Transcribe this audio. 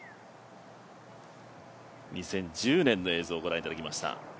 ２０１０年の映像を御覧いただきました。